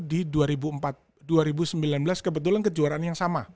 di dua ribu sembilan belas kebetulan kejuaraan yang sama